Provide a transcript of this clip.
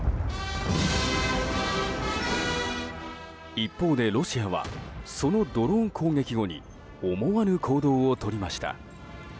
一方でロシアはそのドローン攻撃後に思わぬ行動をとりました。